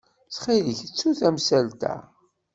Ttxil-k, ttu tamsalt-a.